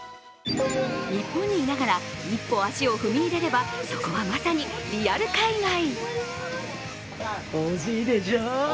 日本にいながら一歩足を踏み入れれば、そこはまさにリアル海外。